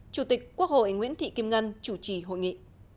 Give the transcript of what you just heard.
chủ tịch quốc hội nguyễn thị kim ngân chủ trì hội nghị